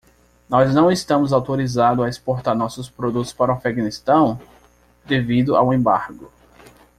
Nós não estamos autorizados a exportar nossos produtos para o Afeganistão? devido ao embargo.